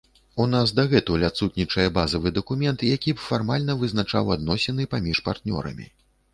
У нас дагэтуль адсутнічае базавы дакумент, які б фармальна вызначаў адносіны паміж партнёрамі.